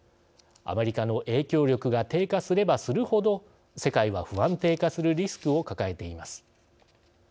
アメリカの影響力が低下すればするほど世界は不安定化するリスクを抱えています。